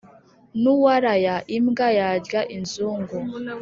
Nuwaraya imbwa yarya inzungu.